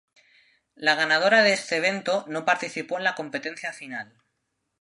La ganadora de este evento no participó en la Competencia Final.